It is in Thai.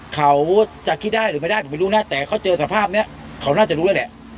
เขาจะคิดได้หรือไม่ได้ผมไม่รู้นะแต่เขาเจอสภาพเนี้ยเขาน่าจะรู้แล้วแหละ